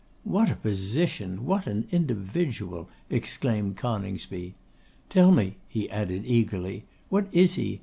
'What a position! what an individual!' exclaimed Coningsby. 'Tell me,' he added, eagerly, 'what is he?